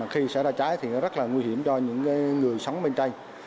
khi xảy ra cháy thì rất là nguy hiểm cho những người sống bên trên